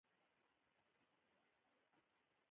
کچالو د بدن عمومي قوت زیاتوي.